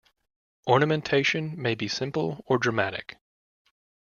Ornamentation may be simple or dramatic.